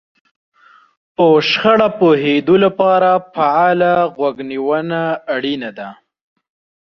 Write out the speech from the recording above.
په شخړه پوهېدو لپاره فعاله غوږ نيونه اړينه ده.